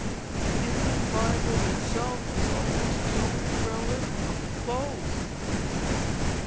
The Indian Bible itself is almost the only relic of both."